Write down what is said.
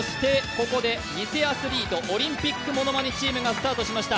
偽アスリートオリンピックアスリートチームがスタートしました。